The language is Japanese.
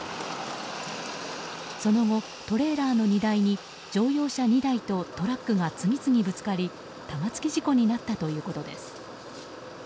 その後、トレーラーの荷台に乗用車２台とトラックが次々ぶつかり、玉突き事故になったということです。